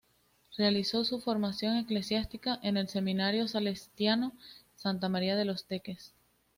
Realizó su formación eclesiástica en el Seminario Salesiano Santa María de Los Teques.